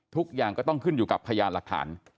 ทุกอย่างก็ต้องขึ้นอยู่กับพยานหลักฐาน